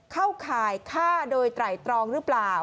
ข่ายฆ่าโดยไตรตรองหรือเปล่า